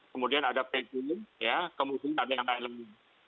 kemudian ada pensiun ya kemudian ada yang tak ilmu